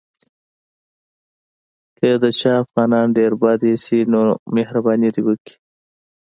که د چا افغانان ډېر بد ایسي نو مهرباني دې وکړي.